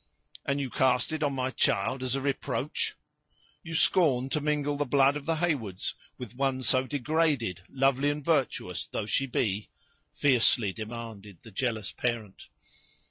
"And you cast it on my child as a reproach! You scorn to mingle the blood of the Heywards with one so degraded—lovely and virtuous though she be?" fiercely demanded the jealous parent.